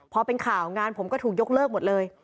พอเป็นข่าวงานผมก็ถูกยกเลิกหมดเลย